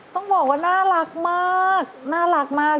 ต้องบอกว่าน่ารักมาก